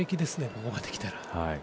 ここまで来たら。